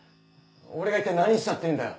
俺が一体何したっていうんだよ？